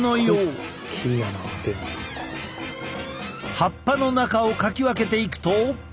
葉っぱの中をかき分けていくと。